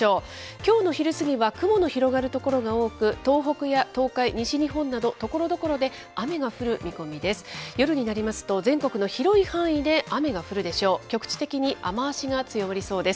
きょうの昼過ぎは、雲の広がる所が多く、東北や東海、西日本など、ところどころで雨が降る見込みです。